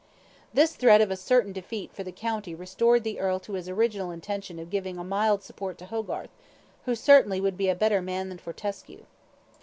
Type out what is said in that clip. This threat of a certain defeat for the county restored the earl to his original intention of giving a mild support to Hogarth, who certainly would be a better man than Fortescue.